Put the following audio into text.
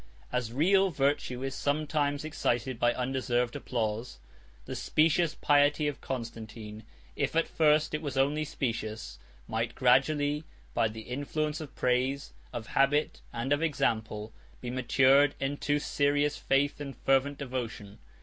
As real virtue is sometimes excited by undeserved applause, the specious piety of Constantine, if at first it was only specious, might gradually, by the influence of praise, of habit, and of example, be matured into serious faith and fervent devotion.